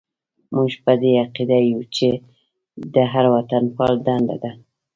موږ په دې عقیده یو چې د هر وطنپال دنده ده.